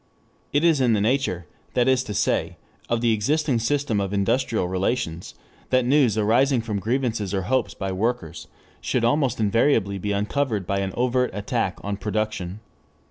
It is in the nature, that is to say, of the existing system of industrial relations that news arising from grievances or hopes by workers should almost invariably be uncovered by an overt attack on production.